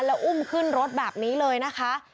แล้วอุ้มขึ้นรถแบบนี้เลยนะคะ